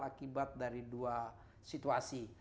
akibat dari dua situasi